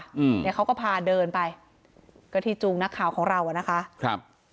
อืมเนี้ยเขาก็พาเดินไปก็ที่จูงนักข่าวของเราอ่ะนะคะครับ